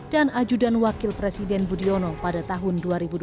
dan ajudan wakil presiden budiono pada tahun dua ribu dua belas